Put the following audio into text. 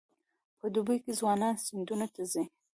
په دوبي کې ځوانان سیندونو ته ځي.